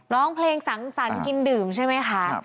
ร้องเพลงสังสรรค์กินดื่มใช่ไหมคะ